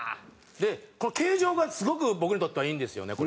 でこの形状がすごく僕にとってはいいんですよね